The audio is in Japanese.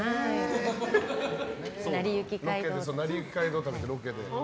「なりゆき街道旅」のロケで。